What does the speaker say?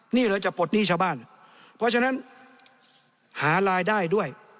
นี่เลยจะปลดหนี้ชาวบ้านเพราะฉะนั้นหารายได้ด้วย